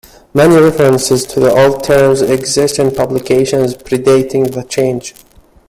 Many references to the old terms exist in publications predating the change.